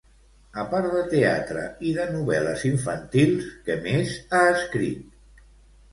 A part de teatre i de novel·les infantils, què més ha escrit?